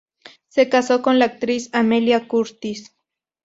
Se casó con la actriz Amelia Curtis.